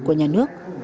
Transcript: của nhà nước